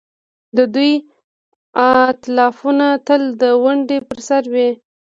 د دوی ائتلافونه تل د ونډې پر سر وي.